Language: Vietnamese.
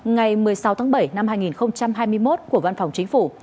ngày một mươi sáu tháng bảy năm hai nghìn hai mươi một của văn phòng chính phủ